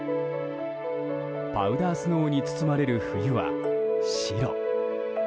パウダースノーに包まれる冬は白。